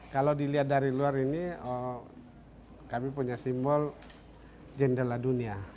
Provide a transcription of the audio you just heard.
kalau dilihat dari luar ini kami punya simbol jendela dunia